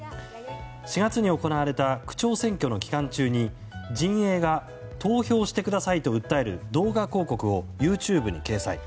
４月に行われた区長選挙の期間中に陣営が投票してくださいと訴える動画広告をＹｏｕＴｕｂｅに掲載。